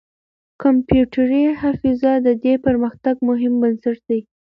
کمپيوټري حافظه د دې پرمختګ مهم بنسټ دی.